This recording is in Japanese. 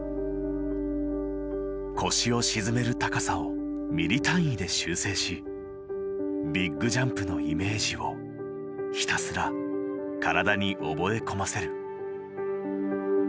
腰を沈める高さをミリ単位で修正しビッグジャンプのイメージをひたすら体に覚え込ませる。